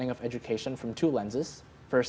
dan juga sebagai pelajar sendiri